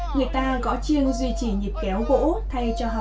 người ta gõ chiêng duy trì nhịp kéo gỗ thay cho họ